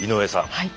はい。